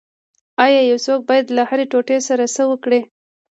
ایا یو څوک باید له هرې ټوټې سره څه وکړي